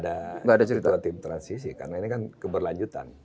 tidak ada cerita tim transisi karena ini kan keberlanjutan